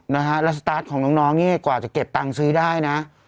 นะฮะแล้วสตาร์ทของน้องนี่กว่าจะเก็บตังค์ซื้อได้นะ